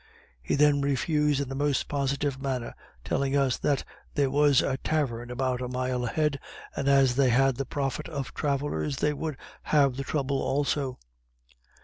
He then refused in the most positive manner; telling us that there was a tavern about a mile ahead, and as they had the profit of travellers, they should have the trouble also.